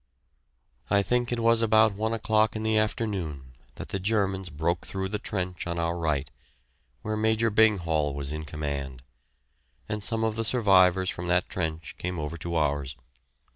I think it was about one o'clock in the afternoon that the Germans broke through the trench on our right, where Major Bing Hall was in command; and some of the survivors from that trench came over to ours.